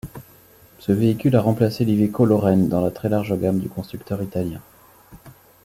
Ce véhicule a remplacé l'Iveco Lorraine dans la très large gamme du constructeur italien.